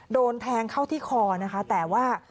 โดนแทงเข้าที่คอนะคะแต่ว่า